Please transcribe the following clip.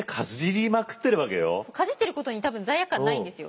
かじってることに多分罪悪感ないんですよ。